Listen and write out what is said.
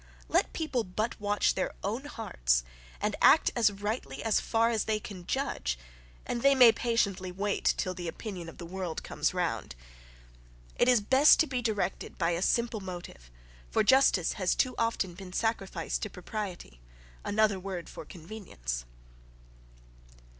Let people but watch their own hearts, and act rightly as far as they can judge, and they may patiently wait till the opinion of the world comes round. It is best to be directed by a simple motive for justice has too often been sacrificed to propriety; another word for convenience.)